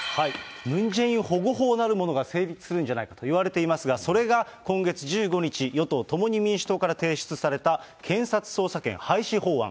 ムン・ジェイン保護法なるものが成立するんじゃないかといわれていますが、それが今月１５日、与党・共に民主党から提出された検察捜査権廃止法案。